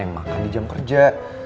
makan di jam kerja